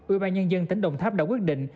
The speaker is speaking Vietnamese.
ủy ban nhân dân tỉnh đồng tháp đã quyết định